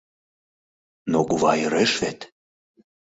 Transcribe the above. Но кува ӧреш вет!